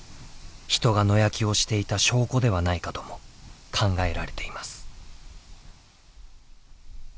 人が野焼きをしていた証拠ではないかとも考えられています。